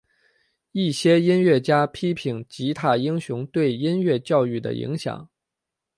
一些音乐家批评吉他英雄对音乐教育的影响。